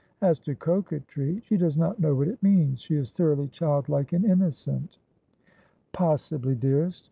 As to coquetry, she does not know what it means. She is thoroughly childlike and innocent.' 170 Asphodel. ' Possibly, dearest.